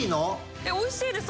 えおいしいです。